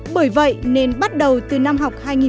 bởi vậy nên bắt đầu tiêu dụng